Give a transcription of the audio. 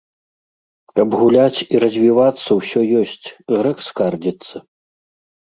Каб гуляць і развівацца ўсё ёсць, грэх скардзіцца.